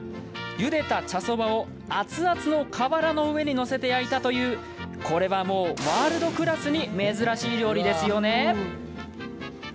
ゆでた茶そばを熱々の瓦の上に載せて焼いたというこれはもうワールドクラスに珍しい料理ですよね？